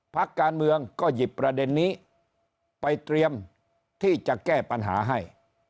พักการเมืองก็หยิบประเด็นนี้ไปเตรียมที่จะแก้ปัญหาให้